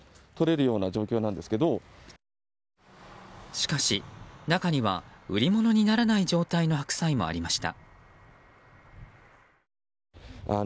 しかし、中には売りものにならない状態の白菜もありました。